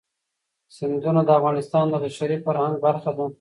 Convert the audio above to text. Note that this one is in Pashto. سیندونه د افغانستان د بشري فرهنګ برخه ده.